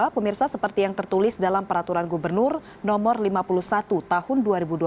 pemirsa seperti yang tertulis dalam peraturan gubernur no lima puluh satu tahun dua ribu dua puluh